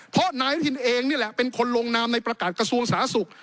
เพราะนายอนุทินเองนี่แหละเป็นคนลงนามในประกาศกระทรวงสาธารณสุข